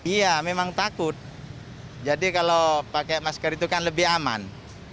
iya memang takut jadi kalau pakai masker itu kan lebih aman